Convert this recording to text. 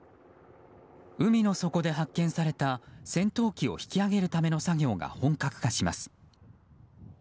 海の底で発見された戦闘機を引き揚げるための作業が本格化します。